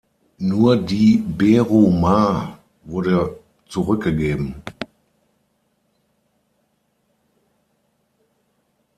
Nur die "Beru Ma" wurde zurückgegeben.